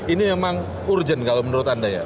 ini memang urgent kalau menurut anda ya